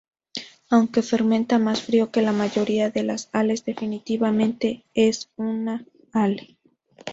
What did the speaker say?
Aunque fermenta más frío que la mayoría de las Ales, definitivamente es una Ale.